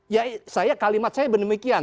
ya saya kalimat saya benar benar demikian